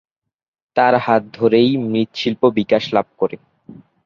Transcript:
তার হাত ধরেই মৃৎশিল্প বিকাশ লাভ করে।